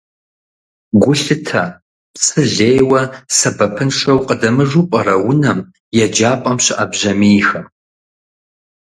Гу лъытэ, псы лейуэ, сэбэпыншэу къыдэмыжу пӀэрэ унэм, еджапӀэм щыӀэ бжьамийхэм.